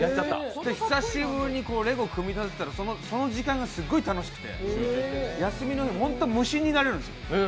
久しぶりにレゴを組み立てたら、その時間がすっごい楽しくて、休みの日、本当に無心になれるんです。